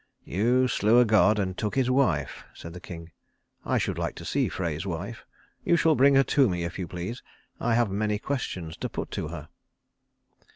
"You slew a god and took his wife," said the king. "I should like to see Frey's wife. You shall bring her to me, if you please. I have many questions to put to her."